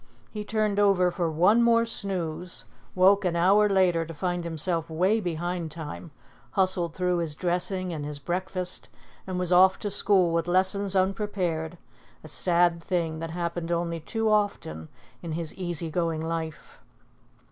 He turned over for one more snooze, woke an hour later to find himself 'way behind time, hustled through his dressing and his breakfast, and was off to school with lessons unprepared, a sad thing that happened only too often in his easy going life.